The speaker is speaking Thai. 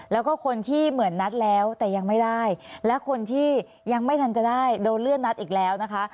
แล้วก็คนที่เหมือนนัดแล้วแต่ยังไม่ได้และคนที่ยังไม่ทันจะได้โดนเลื่อนนัดอีกแล้วนะคะ